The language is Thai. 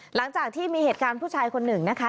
หลังจากที่มีเหตุการณ์ผู้ชายคนหนึ่งนะคะ